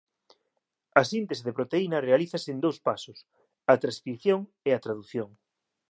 A síntese de proteínas realízase en dous pasos: a transcrición e a tradución